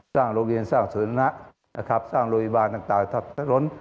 สร้างโรงเรียนสร้างศาลณะสร้างโรยบาลต่าง